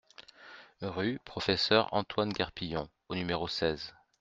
Rue Prof. Antoine Guerpillon au numéro seize